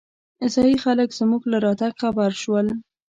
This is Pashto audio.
ځايي خلک زمونږ له راتګ خبر شول.